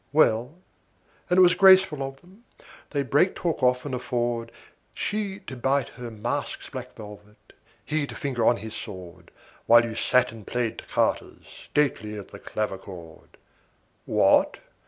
Well, and it was graceful of them: they'd break talk off and afford She, to bite her mask's black velvet he, to finger on his sword, While you sat and played Toccatas, stately at the clavichord°? °18 What?